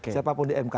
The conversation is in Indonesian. siapapun di mk